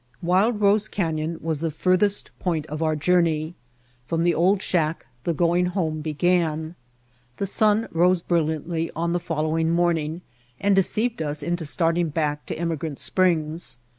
Wild Rose Canyon was the furthest point of our journey; from the old shack the going home White Heart of Mojave began. The sun rose brilliantly on the follow ing morning and deceived us into starting back to Emigrant Springs.